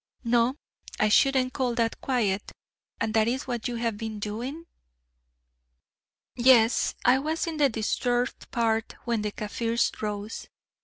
"No, I shouldn't call that quiet; and that is what you have been doing?" "Yes, I was in the disturbed part when the Kaffirs rose.